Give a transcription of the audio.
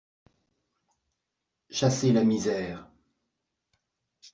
Chasser la misère